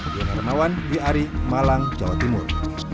di renawan di ari malang jawa timur